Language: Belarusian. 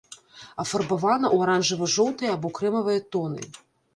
Афарбавана ў аранжава-жоўтыя або крэмавыя тоны.